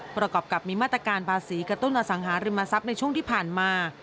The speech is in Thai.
ประกอบกับมีมาตรการภาษีกระตุ้นอสังหาริมทรัพย์ในช่วงที่ผ่านมา